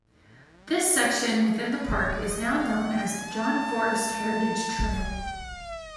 The section within the park is now known as the John Forrest Heritage Trail.